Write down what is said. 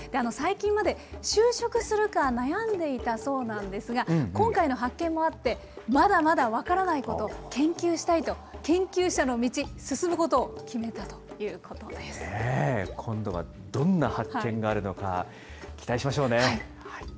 最近まで就職するか悩んでいたそうなんですが、今回の発見もあって、まだまだ分からないこと、研究したいと、研究者の道、進むこ今度はどんな発見があるのか、期待しましょうね。